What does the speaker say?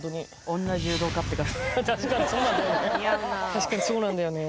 確かにそうなんだよね